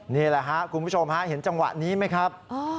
นี่แหละครับคุณผู้ชมฮะเห็นจังหวะนี้ไหมครับ